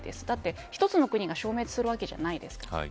だって、一つの国が消滅するわけではないですから。